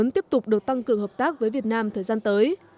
tiếp tục được tăng cường hợp tác với việt nam thời gian tới